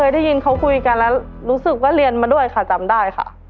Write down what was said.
ได้ยินเขาคุยกันแล้วรู้สึกว่าเรียนมาด้วยค่ะจำได้ค่ะ